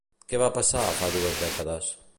Què va passar fa dues dècades?